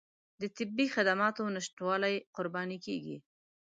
د طبي خدماتو نشتوالي قرباني کېږي.